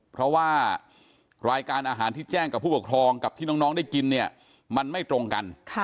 เพราะว่ารายการอาหารที่แจ้งกับผู้ปกครองกับที่น้องได้กินเนี่ยมันไม่ตรงกัน